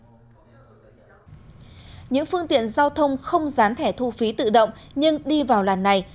những phương tiện giao thông không rán thẻ thu phí tự động nhưng đi vào làn này